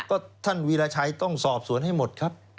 ก็ท่านวีรชัยต้องสอบสวนให้หมดครับ